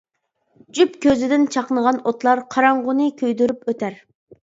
جۈپ كۆزىدىن چاقنىغان ئوتلار، قاراڭغۇنى كۆيدۈرۈپ ئۆتەر.